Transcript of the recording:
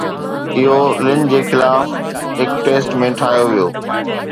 اهو لن جي خلاف هڪ ٽيسٽ ۾ ٺاهيو ويو